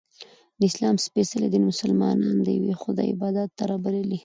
د اسلام څپېڅلي دین ملسلمانان د یوه خدایﷻ عبادت ته رابللي